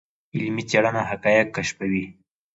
علمي څېړنه حقایق کشفوي.